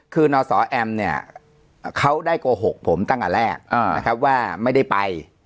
คือนศแอมเนี่ยเขาได้โกหกผมตั้งแต่แรกนะครับว่าไม่ได้ไป